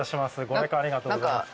ご予約ありがとうございます。